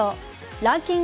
ランキング